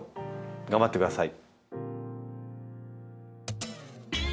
頑張ってください。